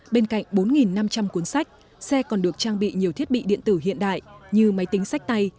bên cạnh bốn năm trăm linh cuốn sách xe còn được trang bị nhiều thiết bị điện tử hiện đại như máy tính sách tay